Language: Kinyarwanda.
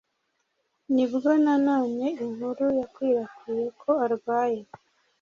nibwo nanone inkuru yakwirakwiriye ko arwaye